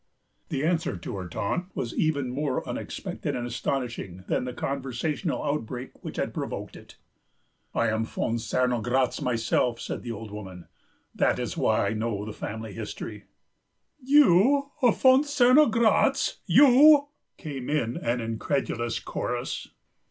The answer to her taunt was even more unexpected and astonishing than the conversational outbreak which had provoked it. "I am a von Cernogratz myself," said the old woman, "that is why I know the family history." "You a von Cernogratz? You!" came in an incredulous chorus.